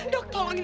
tenang bu haji